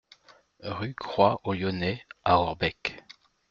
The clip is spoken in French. Rue Croix aux Lyonnais à Orbec